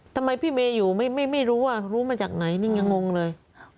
ทำไมพี่เบ๊อยู่ไม่รู้รู้มาจากไหนนี่งงเลย